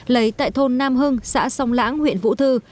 lấy tại thôn nam hưng xã sông lãng huyện vũ thư